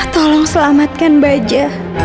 tolong selamatkan baja